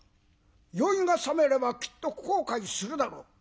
酔いがさめればきっと後悔するだろう。